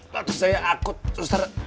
patut saya akut suster